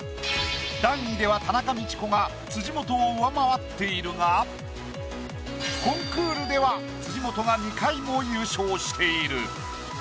段位では田中道子が辻元を上回っているがコンクールでは辻元が２回も優勝している。